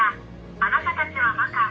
あなたたちはばか。